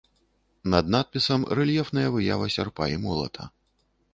Над надпісам рэльефная выява сярпа і молата.